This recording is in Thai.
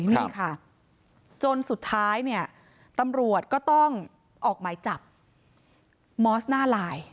นี่ค่ะจนสุดท้ายเนี่ยตำรวจก็ต้องออกหมายจับมอสหน้าลาย